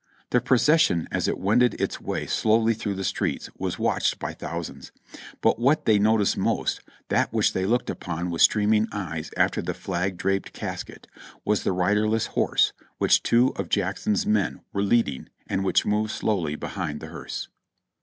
The procession as it wended its way slowly through the streets was watched by thousands, but what they noticed most, that which they looked upon with streaming eyes after the flag draped casket, was the riderless horse which two of Jackson's men were leading and which moved slowly behind the hearse.